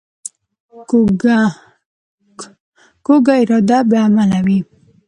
کوږه اراده بې عمله وي